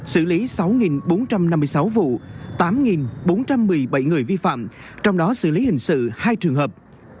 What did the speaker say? công an tp đã xử lý sáu bốn trăm năm mươi sáu vụ tám bốn trăm một mươi bảy người vi phạm trong đó xử lý hình sự hai trường hợp